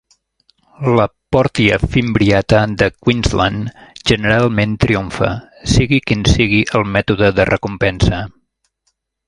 La "Portia fimbriata" de Queensland generalment triomfa, sigui quin sigui el mètode de recompensa.